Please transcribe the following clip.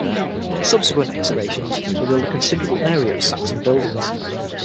Subsequent excavations revealed a considerable area of Saxon buildings.